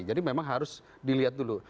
jadi memang harus dilihat dulu